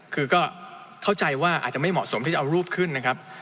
คือก็เข้าใจว่าอาจจะไม่เหมาะสมที่จะเอารูปขึ้นนะครับ